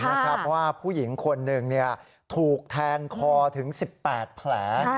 เพราะว่าผู้หญิงคนหนึ่งถูกแทงคอถึง๑๘แผล